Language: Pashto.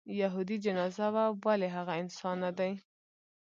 یهودي جنازه وه ولې هغه انسان نه دی.